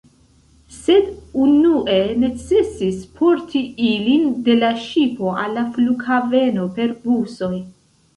Sed unue necesis porti ilin de la ŝipo al la flughaveno per busoj.